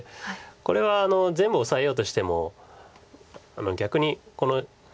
これは全部オサえようとしても逆にこの白が。